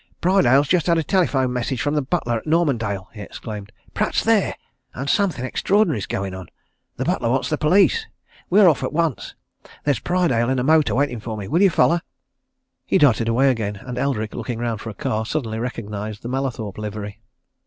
"Prydale's just had a telephone message from the butler at Normandale!" he exclaimed. "Pratt is there! and something extraordinary is going on: the butler wants the police. We're off at once there's Prydale in a motor, waiting for me. Will you follow?" He darted away again, and Eldrick looking round for a car, suddenly recognized the Mallathorpe livery.